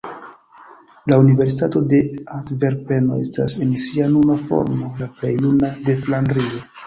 La Universitato de Antverpeno estas en sia nuna formo la plej juna de Flandrio.